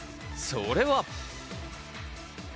それは。